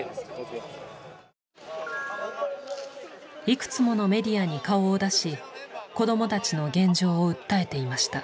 いくつものメディアに顔を出し子どもたちの現状を訴えていました。